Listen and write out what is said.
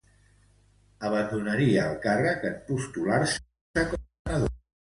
Abandonaria el càrrec en postular-se com a senador.